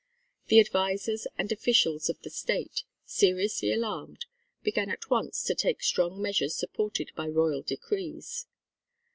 The advisers and officials of the State, seriously alarmed, began at once to take strong measures supported by royal decrees.